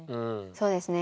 そうですね。